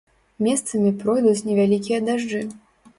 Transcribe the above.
Месцамі пройдуць невялікія дажджы.